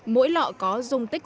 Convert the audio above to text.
mỗi lọ có dung dịch